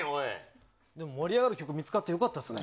でも盛り上がる曲見つかってよかったね！